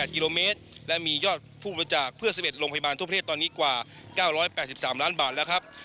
กิโลเมตรและมียอดผู้บริจาคเพื่อ๑๑โรงพยาบาลทั่วประเทศตอนนี้กว่า๙๘๓ล้านบาทแล้วครับ